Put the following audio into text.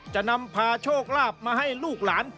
จะนำพาโชคลาภมาให้ลูกหลาน